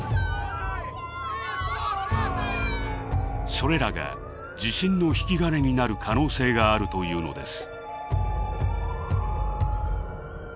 それらが地震の引き金になる可能性があるというのです。